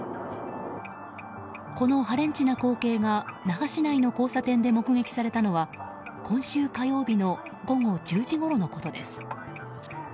この破廉恥な光景が那覇市内の交差点で目撃されたのは今週火曜日の午後１０時ごろのことです。